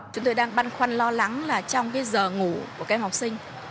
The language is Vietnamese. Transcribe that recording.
chúng tôi đang băn khoăn lo lắng là trong cái giờ ngủ của các em học sinh